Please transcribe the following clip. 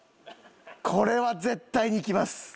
これは絶対にいきます！